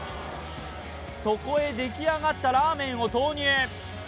そこへ、でき上がったラーメンを投入。